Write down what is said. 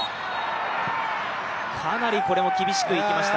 かなりこれも厳しくいきました。